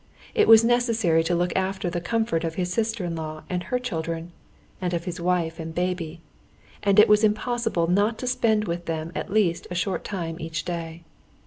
It was necessary to look after the comfort of his sister in law and her children, and of his wife and baby, and it was impossible not to spend with them at least a short time each day.